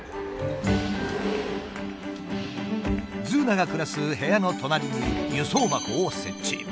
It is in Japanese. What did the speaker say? ズーナが暮らす部屋の隣に輸送箱を設置。